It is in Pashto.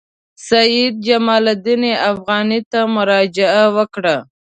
سید جمال الدین افغاني ته مراجعه وکړه.